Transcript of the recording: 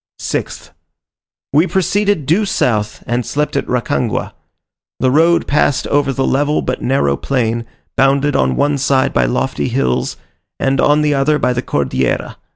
6th. We proceeded due south, and slept at Rancagua. The road passed over the level but narrow plain, bounded on one side by lofty hills, and on the other by the Cordillera.